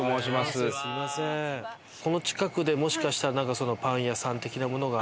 この近くでもしかしたらパン屋さん的なものが。